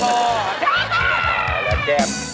แลนแก้ม